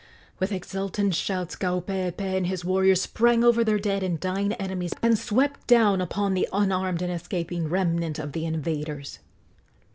With exultant shouts Kaupeepee and his warriors sprang over their dead and dying enemies and swept down upon the unarmed and escaping remnant of the invaders.